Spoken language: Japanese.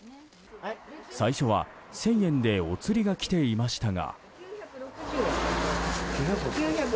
最初は１０００円でお釣りが来ていましたが。